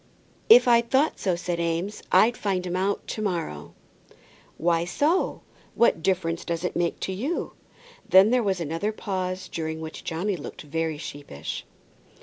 "If I thought so," said Eames, "I'd find him out to morrow." "Why so? what difference does it make to you?" Then there was another pause, during which Johnny looked very sheepish.